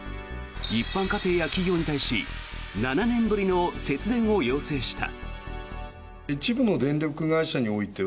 一般家庭や企業に対し７年ぶりの節電を要請した。